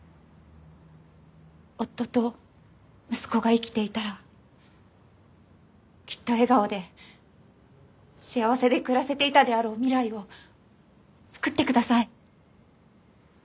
夫と息子が生きていたらきっと笑顔で幸せで暮らせていたであろう未来をつくってください。